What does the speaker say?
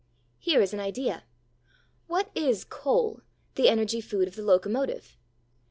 Here is an idea. What is coal, the energy food of the locomotive?